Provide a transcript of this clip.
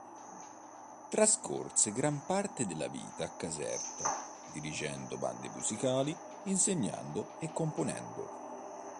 Trascorse gran parte della vita a Caserta, dirigendo bande musicali, insegnando e componendo.